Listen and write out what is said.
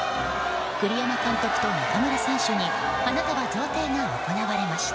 栗山監督と中村選手に花束贈呈が行われました。